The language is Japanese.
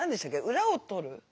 裏をとる？